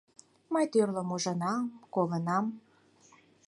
Мый тӱрлым ужынам, колынам...